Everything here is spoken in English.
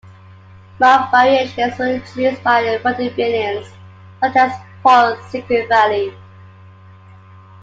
More variations were introduced by vaudevillians such as Paul Cinquevalli.